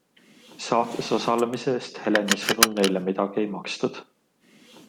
Saates osalemise eest Heleni sõnul neile midagi ei makstud.